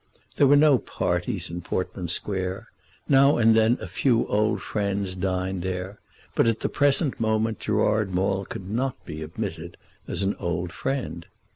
There were no parties in Portman Square. Now and then a few old friends dined there; but at the present moment Gerard Maule could not be admitted as an old friend.